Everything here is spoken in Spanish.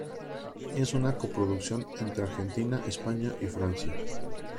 Es una coproducción entre Argentina, España y Francia.